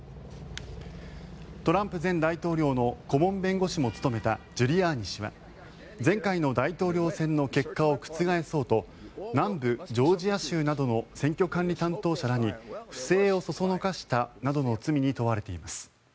トランプ前大統領の顧問弁護士も務めたジュリアーニ氏は前回の大統領選の結果を覆そうと南部ジョージア州などの選挙管理担当者らに不正をそそのかしたなどの罪に問われています。